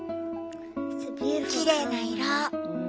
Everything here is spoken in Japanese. きれいな色。